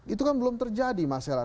itu kan belum terjadi masalah